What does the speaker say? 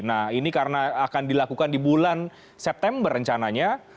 nah ini karena akan dilakukan di bulan september rencananya